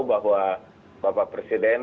bahwa bapak presiden